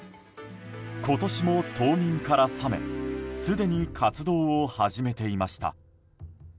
今年も冬眠から覚めすでに活動を始めていました。